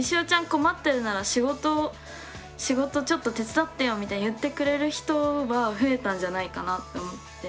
困ってるなら仕事ちょっと手伝ってよみたいに言ってくれる人は増えたんじゃないかなと思って。